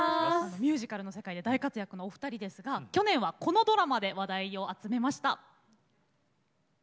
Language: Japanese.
ミュージカルの世界で大活躍のお二人ですが去年はこのドラマで話題を集めました。